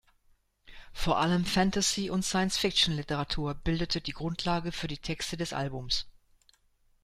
Vor allem Fantasy- und Science-Fiction-Literatur bildete die Grundlage für die Texte des Albums.